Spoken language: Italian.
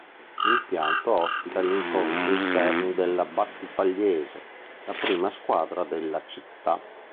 L'impianto ospita gli incontri interni della Battipagliese, la prima squadra della città.